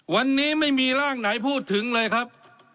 วันนี้ไม่มีร่างไหนพูดถึงเลยครับ